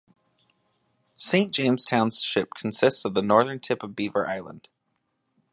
Saint James Township consists of the northern tip of Beaver Island.